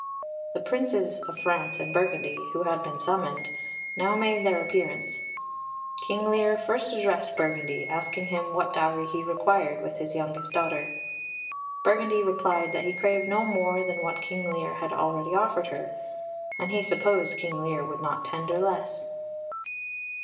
The Princes of France and Burgundy, who had been summoned, now made their appearance. King Lear first addressed Burgundy, asking him what dowry he required with his youngest daughter. Burgundy replied that he craved no more than what King Lear had already offered with her, and he supposed King Lear would not tender less.